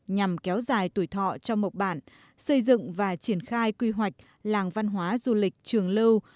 nhằm kéo dài tuổi thọ cho mộc bản xây dựng và triển khai quy hoạch làng văn hóa du lịch trường lâu